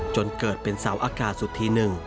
จนเกิดเป็นเสาอากาศสุธีหนึ่ง